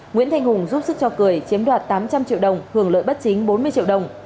nguyễn thanh hùng giúp sức cho cười chiếm đoạt tám trăm linh triệu đồng hưởng lợi bất chính bốn mươi triệu đồng